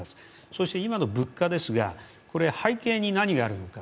そして今の物価ですが、背景に何があるのか。